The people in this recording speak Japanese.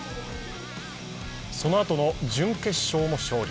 そのあとの準決勝も勝利